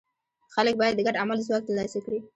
خلک باید د ګډ عمل ځواک ترلاسه کړي.